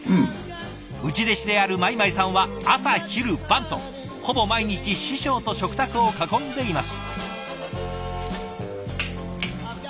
内弟子である米舞さんは朝昼晩とほぼ毎日師匠と食卓を囲んでいます。